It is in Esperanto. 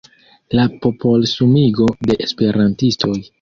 La popolsumigo de esperantistoj.